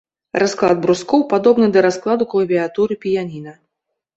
Расклад брускоў падобны да раскладу клавіятуры піяніна.